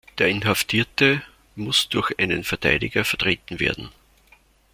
Der Inhaftierte muss durch einen Verteidiger vertreten werden.